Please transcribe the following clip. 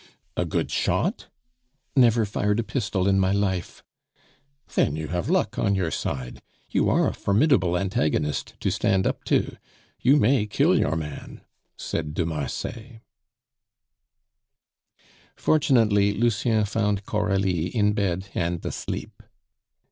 "A good shot?" "Never fired a pistol in my life." "Then you have luck on your side. You are a formidable antagonist to stand up to; you may kill your man," said de Marsay. Fortunately, Lucien found Coralie in bed and asleep.